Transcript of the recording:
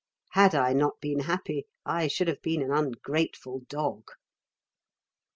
Had I not been happy, I should have been an ungrateful dog.